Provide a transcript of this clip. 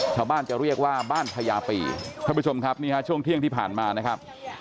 ชาวบ้านจะเรียกว่าบ้านพญาปีท่านผู้ชมครับนี่ฮะช่วงเที่ยงที่ผ่านมานะครับ